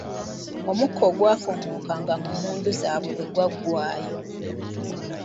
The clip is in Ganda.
Omukka ogwafuumuukanga mu mmundu zaabwe bwe gwaggwaayo.